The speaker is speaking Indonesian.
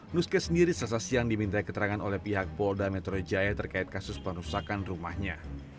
nuskes sendiri selasa siang diminta keterangan oleh pihak polda metro jaya terkait kasus perusahaan rumahnya